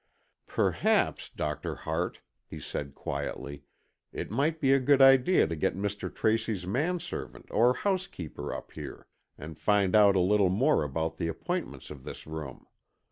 "Perhaps, Doctor Hart," he said, quietly, "it might be a good idea to get Mr. Tracy's manservant or housekeeper up here, and find out a little more about the appointments of this room.